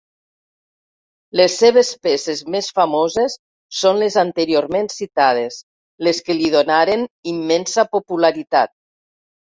Les seves peces més famoses són les anteriorment citades, les que li donaren immensa popularitat.